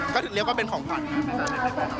ก็เรียกว่าเป็นของขวัญครับ